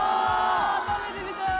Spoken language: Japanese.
食べてみたい。